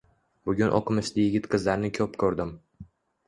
Bugun oʻqimishli yigit qizlarni koʻp koʻrdim.